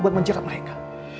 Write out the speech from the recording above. buat menjaga mereka